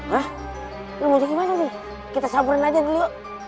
hah lo mau jadi gimana nih kita sabarin aja dulu yuk